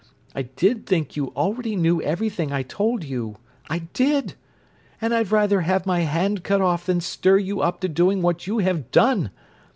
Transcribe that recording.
I did think you already knew everything I told you. I did! And I'd rather have cut my hand off than stir you up to doing what you have done!